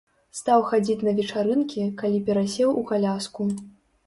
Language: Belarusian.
Стаў хадзіць на вечарынкі, калі перасеў у каляску.